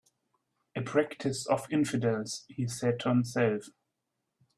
"A practice of infidels," he said to himself.